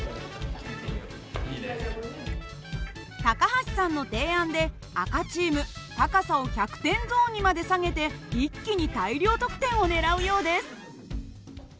高橋さんの提案で赤チーム高さを１００点ゾーンにまで下げて一気に大量得点を狙うようです。